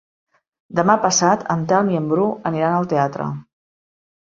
Demà passat en Telm i en Bru aniran al teatre.